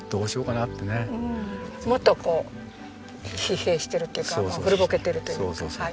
もっとこう疲弊してるというか古ぼけてるというかはい。